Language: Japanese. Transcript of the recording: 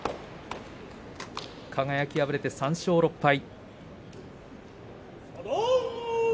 輝、敗れて３勝６敗。